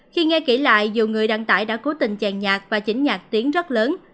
khi nghe kỹ lại dù người đăng tải đã cố tình chèn nhạc và chỉnh nhạc tiếng rất lớn